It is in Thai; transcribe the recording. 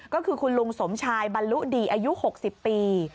ก็คือคุณลุงสมชายบรรลุดีอายุ๖๐ปี